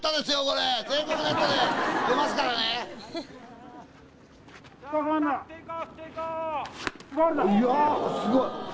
すごい！